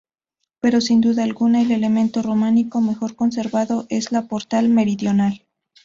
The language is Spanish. Pero, sin duda alguna, el elemento románico mejor conservado es la portada meridional.